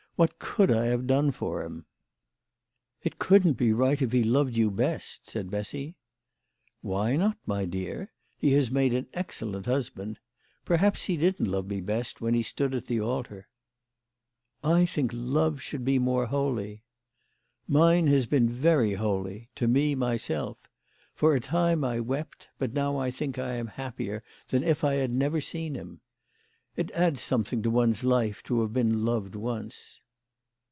"What could I have done for him ?" "It couldn't be right if he loved you best," said Bessy. " Why not, my dear ? He has made an excellent THE LADY OF LAUNAY. 157 husband. Perhaps he didn't love me best when he stood at the altar." " I think love should be more holy." " Mine has been very holy, to me, myself. For a time I wept ; but now I think I am happier than if I had never seen him. It adds something to one's life to have been loved once."